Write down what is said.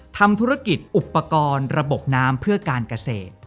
ทำธุรกิจอุปกรณ์ระบบน้ำเพื่อการเกษตร